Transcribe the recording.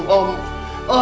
putri masih hidup om